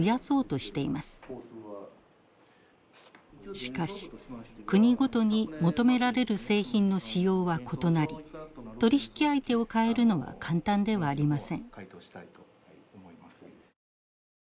しかし国ごとに求められる製品の仕様は異なり取引相手を代えるのは簡単ではありません。